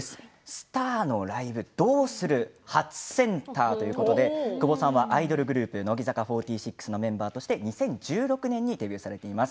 スターのライブどうする初センターということで久保さんはアイドルグループ乃木坂４６のメンバーとして２０１６年にデビューされています。